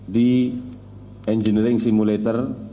di engineering simulator